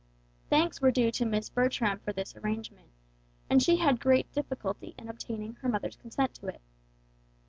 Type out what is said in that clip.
Thanks were due to Miss Bertram for this arrangement; and she had great difficulty in obtaining her mother's consent to it.